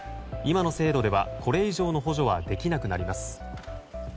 今の制度ではこれ以上の補助はできなくなります。